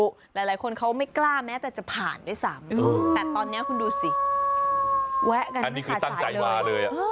หลายคนเขาไม่กล้าแม้จะผ่านแต่นี่คือ